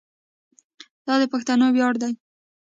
دا د پښتنو ویاړ دی.